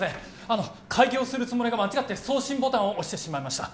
あの改行するつもりが間違って送信ボタンを押してしまいました